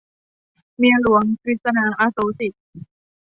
เมียหลวง - กฤษณา อโศกสิน